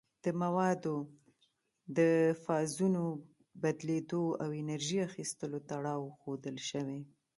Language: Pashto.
د موادو د فازونو بدلیدو او انرژي اخیستلو تړاو ښودل شوی.